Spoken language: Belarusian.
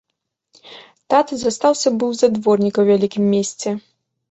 Тата застаўся быў за дворніка ў вялікім месце.